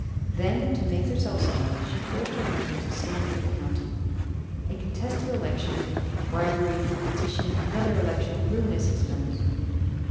Then, to make herself somebody, she forced her husband to stand for the county. A contested election bribery a petition another election ruinous expense.